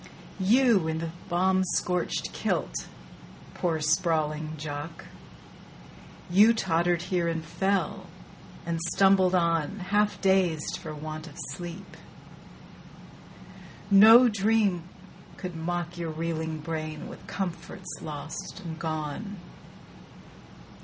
You in the bomb scorched kilt, poor sprawling Jock, You tottered here and fell, and stumbled on, Half dazed for want of sleep. No dream could mock Your reeling brain with comforts lost and gone.